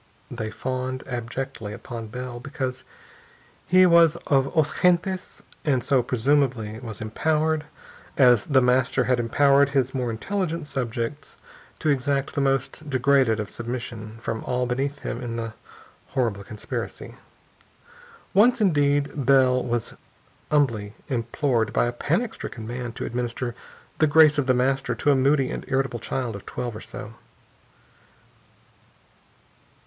They fawned abjectly upon Bell, because he was of os gentes and so presumably was empowered, as The Master had empowered his more intelligent subjects, to exact the most degraded of submission from all beneath him in the horrible conspiracy. Once, indeed, Bell was humbly implored by a panic stricken man to administer "the grace of The Master" to a moody and irritable child of twelve or so.